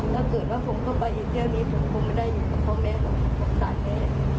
ถ้าเกิดว่าผมเข้าไปอยู่แค่นี้ผมคงไม่ได้อยู่กับพ่อแม่ผมสงสารแม่